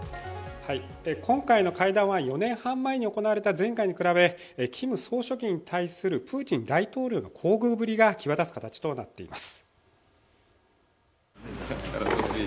今回の会談は４年半前に行われた前回に比べキム総書記に対するプーチン大統領の厚遇ぶりが際立つ形となっています。